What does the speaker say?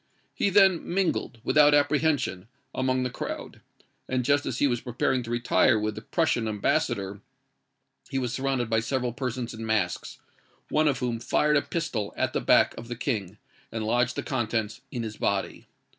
He then mingled, without apprehension, among the crowd; and just as he was preparing to retire with the Prussian ambassador, he was surrounded by several persons in masks, one of whom fired a pistol at the back of the King, and lodged the contents in his body.